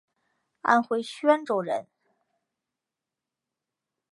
安徽宣州人。